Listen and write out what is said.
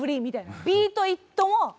「ビート・イット」は。